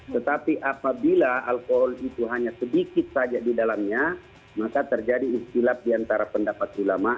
tetapi apabila alkohol itu hanya sedikit saja di dalamnya maka terjadi istilaf diantara pendapat ulama